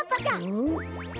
うん？